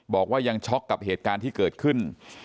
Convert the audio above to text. บอกว่ายังช็อกกับเหตุการณ์ที่เกิดขึ้น